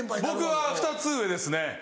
僕は２つ上ですね